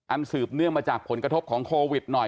สืบเนื่องมาจากผลกระทบของโควิดหน่อย